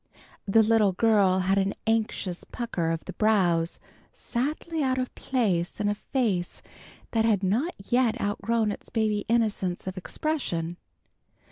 The little girl had an anxious pucker of the brows sadly out of place in a face that had not yet outgrown its baby innocence of expression.